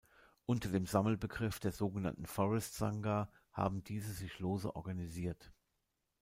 Unter dem Sammelbegriff der so genannten Forest Sangha haben diese sich lose organisiert.